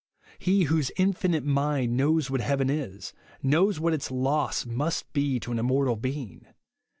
He, whose infinite mind knows what heaven is, knows what its loss must be to an immortal being.